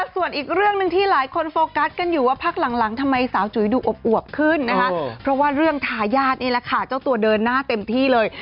ส่วนอีกเรื่องหนึ่งที่หลายคนโฟกัสกันอยู่ว่าพักหลังทำไมสาวจุ๋ยดูอวบขึ้นนะคะเพราะว่าเรื่องทายาทนี่แหละค่ะเจ้าตัวเดินหน้าเต็มที่เลย